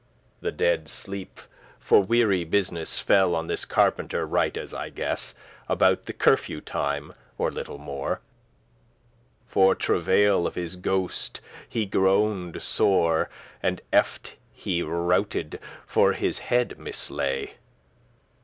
The deade sleep, for weary business, Fell on this carpenter, right as I guess, About the curfew time,<33> or little more, For *travail of his ghost* he groaned sore, *anguish of spirit* *And eft he routed, for his head mislay.